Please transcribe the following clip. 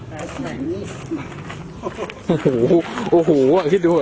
ไหนนี่โอ้โหโอ้โหอ่ะคิดดูเหอะ